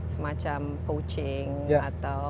semacam poaching atau